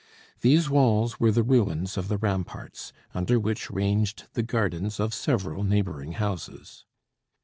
These walls were the ruins of the ramparts, under which ranged the gardens of several neighboring houses.